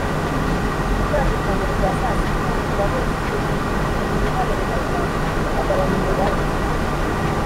gutanga ifunguro rya saa sita ku banyeshuri ifite uruhare runini mu kugabanya umubare